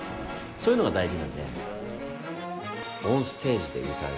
そういうのが大事なんで。